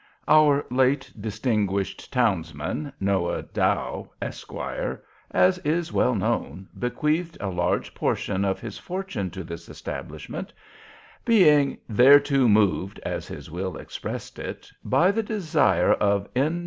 Our late distinguished townsman, Noah Dow, Esquire, as is well known, bequeathed a large portion of his fortune to this establishment— "being thereto moved," as his will expressed it, "by the desire of _N.